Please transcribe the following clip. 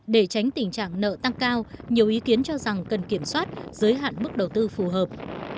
để tránh tình trạng nợ tăng cao nhiều ý kiến cho rằng cần kiểm soát giới hạn mức đầu tư phù hợp